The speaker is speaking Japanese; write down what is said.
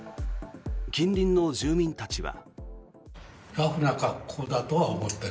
近隣の住民たちは。